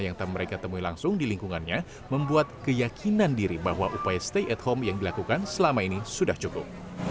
yang tak mereka temui langsung di lingkungannya membuat keyakinan diri bahwa upaya stay at home yang dilakukan selama ini sudah cukup